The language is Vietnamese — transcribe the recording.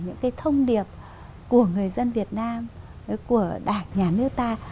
những cái thông điệp của người dân việt nam của đảng nhà nước ta